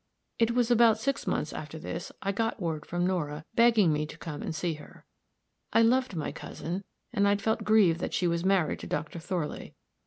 "It was about six months after this I got word from Nora, begging me to come and see her. I loved my cousin, and I'd felt grieved that she was married to Dr. Thorley.